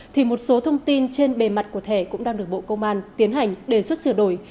thì một số thông tin trên bề mặt của thẻ cũng đang được bộ công an tiến hành đề xuất sửa đổi